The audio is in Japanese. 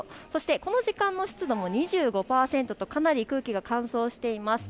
この時間の湿度も２５％とかなり空気が乾燥しています。